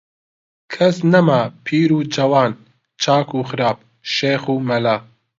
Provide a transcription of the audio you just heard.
کەس نەما، پیر و جەوان، چاک و خراپ، شێخ و مەلا